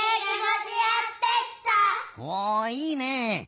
おいいねえ。